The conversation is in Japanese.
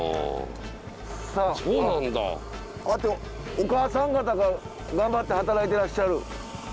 ああやっておかあさん方が頑張って働いてらっしゃる。